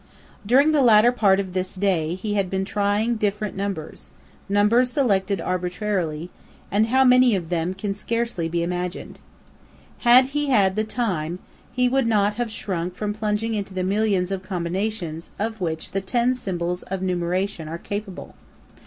During the latter part of this day he had been trying different numbers numbers selected arbitrarily and how many of them can scarcely be imagined. Had he had the time, he would not have shrunk from plunging into the millions of combinations of which the ten symbols of numeration are capable.